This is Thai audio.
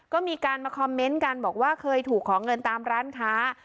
ก็มีการมาคอมเมนต์กันบอกว่าเคยถูกของเงินตามร้านค้า